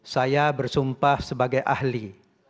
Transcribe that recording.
saya bersumpah sebagai ahli